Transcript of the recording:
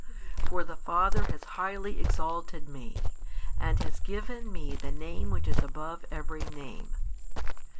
For the Father has highly exalted Me, and has given Me the Name which is above every name.